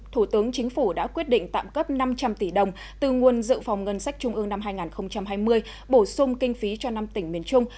thủ tướng chính phủ đã quyết định tạm cấp năm trăm linh tỷ đồng từ nguồn dự phòng ngân sách trung ương năm hai nghìn hai mươi bổ sung kinh phí cho năm tỉnh miền trung